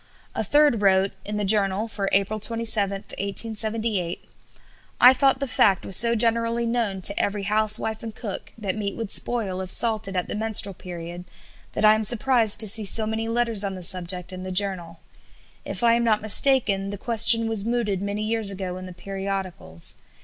A third wrote (in the Journal for April 27, 1878): "I thought the fact was so generally known to every housewife and cook that meat would spoil if salted at the menstrual period, that I am surprised to see so many letters on the subject in the Journal. If I am not mistaken, the question was mooted many years ago in the periodicals.